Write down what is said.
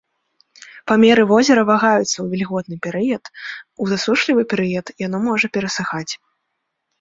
Памеры возера вагаюцца ў вільготны перыяд, у засушлівы перыяд яно можа перасыхаць.